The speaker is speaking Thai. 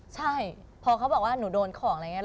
ใช่พอเขาบอกว่าหนูโดนของอะไรอย่างนี้